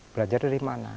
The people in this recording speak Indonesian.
belajar dari mana